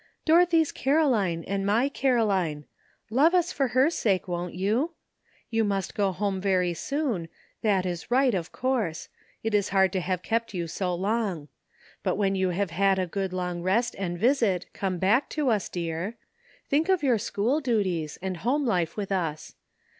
Dorothy's Caroline and my Caroline. Love us for her sake, won't you? You must go home very soon ; that is right, of course ; it is hard to have kept you so long. But when you have had a good long rest and visit come back to us, dear. Think of your school duties, and home life with us.